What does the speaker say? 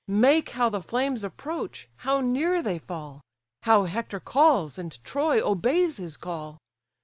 Mark how the flames approach, how near they fall, How Hector calls, and Troy obeys his call!